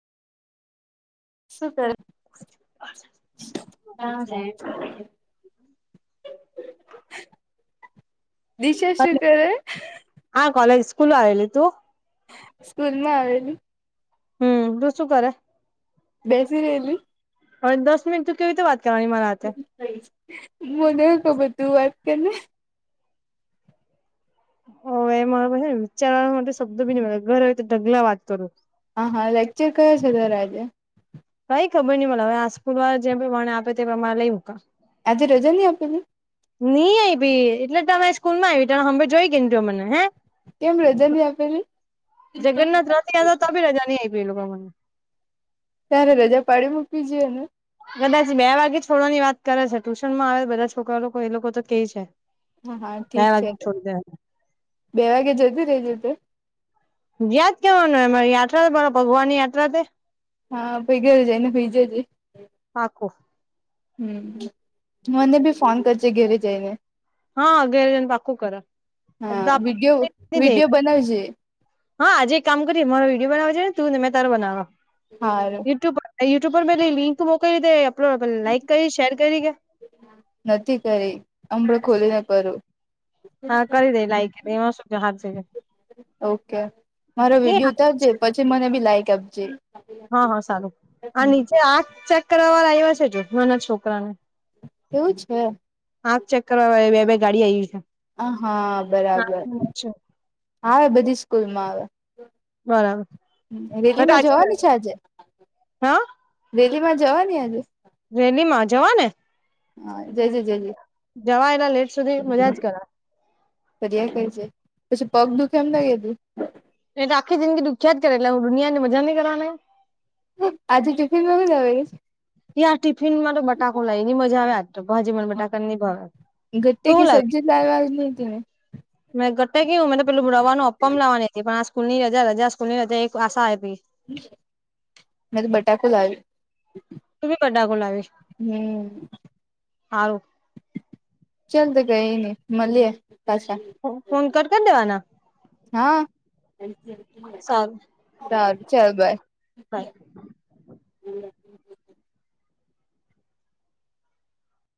શું કરે. છે? દિશા શું કરે. હા કોલેજ સ્કૂલ આવેલી તું. સ્કૂલ માં આવેલું. હમ તુ શું કરે. બેસી રે બી. હવે દસ મિનિટ તુ કેવી રીતે વાત કરવાની મારા હાથે. મને તો બધું વાત કર ને. હોવે એ મારે પણ ને વિચારવા માટે શબ્દ બી નહીં મલે ઘરે હોય તો ઢગલા વાત કરું. હા હા લેક્ચર કયો છે તારો આજે. કઈ ખબર નહીં મલે હવે આ સ્કુલ વાળ જે બી ભળાવે આપે તે પ્રમાણે લઈ મુકા. આજે રજાની આપેલી. નઈ આવી ભી એટલે તો અમે સ્કૂલ માં આવી ત હંભ જોઈ ગઈને જો્યો મને હે. કેમ રજા નહી આપેલી જગન્નાથ રથ યાત્રા હતી તો પણ રજા નહીં આપી એ લોકોએ મને. તારે રજા પાડી મૂકવી જોઈએ ને. કદાચ બે વાગે છોડવાની વાત કરે છે ટુશન માં આવે બધા છોકરા લોકો એ લોકો તો કે છે. હા હા બે ઠીક છે વાગે તો છોડી દેવા. બે વાગે જતી રેલી તું. યાદ કેવાનું યાત્રા બરા ભગવાન ની યાત્રા તે. હા [unintelligible] પીગર જઈને પી જજ પાકું હમ મને બી ફોન કરજ ઘેરે જઈને હ ઘરે જઈને પાકું કરા [unintelligible] હા અગિયાર વિડીયો જને પાખું કર થ વિડીયો બનાવજે હા આજે એક કામ કરીએ મારો વિડીયો બનાવજે એને તુંને મેં તારો બનાવ હારું યુટ્યુબ પર યુટ્યુબ પર પલી લિંક મોકલી તે અપલોડ [unintelligible] પ લાઈક કરી, શેર કરી ગયા નથી કરી અમણે ખોલીને કરું હા કરી દે લાઈક એમાં શું હાથ ઓકે મારો વિડીયો ઉતારજે પછી મને બી લાઈક આપજે હા હા સારું આ નીચે આંખ ચેક કરવા વાળ આવ્યા છે જો નાના છોકરાને એવું છે. આખ ચેક કરવા આવ્યા બે બે ગાડી આવી છે. હ હા બરાબર આવે બધી સ્કૂલમાં આવે બરાબર રેલીમાં જવાની છે. આજે હા રેલીમાં જવાની આજે રેલીમાં જવા ને હા જજે જજે જવા એટલા લેટ સુધી મજા જ કરા ફરીયા કરજે છે પછી પગ દુઃખે એમ નઈ કે તી એતો આખી જિંદગી દુખ્યા જ કરે એટલે હું દુનિયાની મજા નહીં કરવાની. હ આજજી ટિફિન પ જઉ યાર ટિફિનમાં તો બટાકો લાવી ની મજા આવે આ જ તો ભાજી માં બટાકા ન ભાવ ગટે કી સબ્જી લાવાની હતી ને મેં ગટટે કયું મે તો પેલું ભુરાવાનું અપમ લવાની હતી પણ આ સ્કૂલ ની રજા રજા આ સ્કૂલની રજા એક આશા આપી મેં તો બટાકુ લાવેલી. બડા ગલા હાર [unintelligible] ચાલ તો કઈ નઈ મળીએ પાછા. ફોન કર કર દેવાના હા સારું શારુ ચાલ બાય. બાય